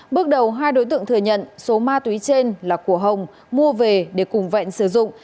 bước đầu hai đối tượng thừa nhận số ma túy trên là của hồng mua về để cùng vẹn sử dụng